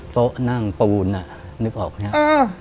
โซะนั่งประวูณอ่ะนึกออกนะครับ